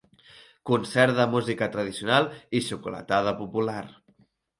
Concert de música tradicional i xocolatada popular.